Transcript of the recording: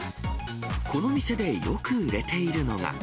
この店でよく売れているのが。